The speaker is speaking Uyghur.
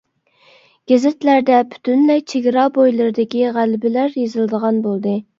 گېزىتلەردە پۈتۈنلەي چېگرا بويلىرىدىكى غەلىبىلەر يېزىلىدىغان بولدى.